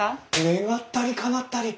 願ったりかなったり！